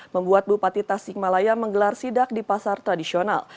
membuat bupati tasikmalaya menggelar sidak di pasar tradisional